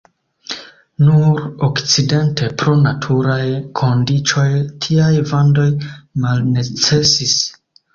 Nur okcidente pro naturaj kondiĉoj tiaj vandoj malnecesis.